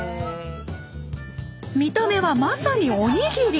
見た目はまさにおにぎり！